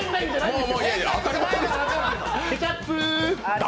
ケチャップー！